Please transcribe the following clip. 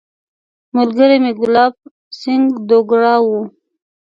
ملګری مې ګلاب سینګهه دوګرا وو.